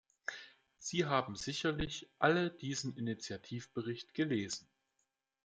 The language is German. Sie haben sicherlich alle diesen Initiativbericht gelesen.